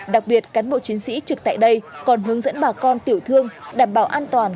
đặc biệt cán bộ chiến sĩ trực tại đây còn hướng dẫn bà con tiểu thương đảm bảo an toàn